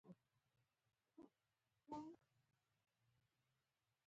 دوی دین یې د خپلو نفرتونو لپاره د لُنګې غوا په څېر لوشلو.